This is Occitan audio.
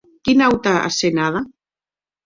Quina auta asenada!